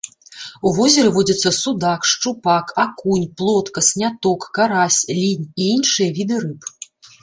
У возеры водзяцца судак, шчупак, акунь, плотка, сняток, карась, лінь і іншыя віды рыб.